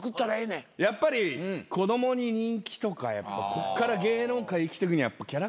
やっぱり子供に人気とかこっから芸能界生きてくにはキャラクターが。